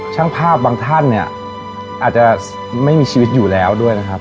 ช่างภาพบางท่านเนี่ยอาจจะไม่มีชีวิตอยู่แล้วด้วยนะครับ